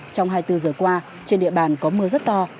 trong hai mươi bốn giờ qua trên địa bàn có mưa rất to